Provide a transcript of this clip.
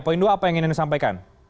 poin dua apa yang ingin disampaikan